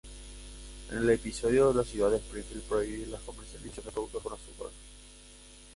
En el episodio, la ciudad de Springfield prohíbe la comercialización de productos con azúcar.